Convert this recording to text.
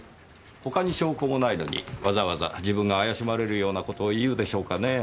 他に証拠もないのにわざわざ自分が怪しまれるような事を言うでしょうかねぇ。